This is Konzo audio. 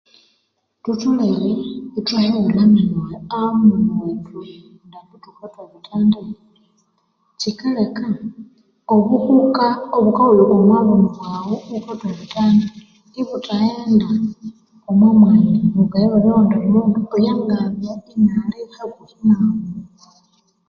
Thutholere ithwahighulha emenu wethu amunu wethu omughulhu thukathwa ebithandi, kyikaleka obuhuka obukahulhuka omwa buno bwaghu iwukathwa ebithandi ibuthaghenda omwa mwanya bukayalhwalya owundi mundu oyowangabya inali hakuhi naghu